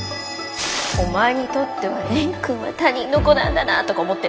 お前にとっては蓮くんは他人の子なんだなとか思ってる？